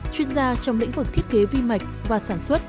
chuyên gia trong lĩnh vực thiết kế vi mạch và sản xuất